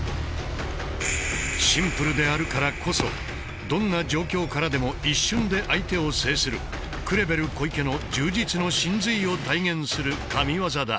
シンプルであるからこそどんな状況からでも一瞬で相手を制するクレベル・コイケの柔術の神髄を体現するＫＡＭＩＷＡＺＡだ。